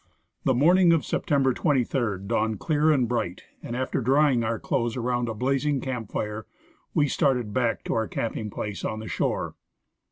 The morning of September 23 dawned clear and bright, and after drying our clothes around a blazing camp fire, we started back to our camping place on the shore.